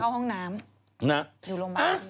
ในกองละครเข้าห้องน้ำ